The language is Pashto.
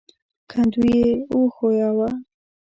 کندو يې وښوياوه.